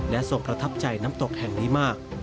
และทรงประทับใจน้ำตกแห่งนี้มาก